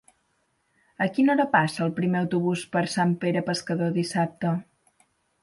A quina hora passa el primer autobús per Sant Pere Pescador dissabte?